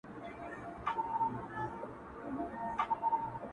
دا لکه ماسوم ته چي پېښې کوې ـ